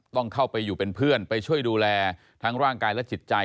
ต้องเข้าไปอยู่เป็นเพื่อนไปช่วยดูแลทั้งร่างกายและจิตใจ